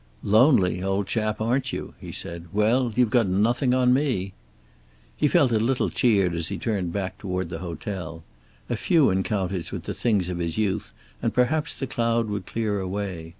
"Lonely, old chap, aren't you?" he said. "Well, you've got nothing on me." He felt a little cheered as he turned back toward the hotel. A few encounters with the things of his youth, and perhaps the cloud would clear away.